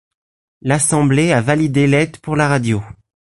L’Assemblée a validé l'aide pour la radio!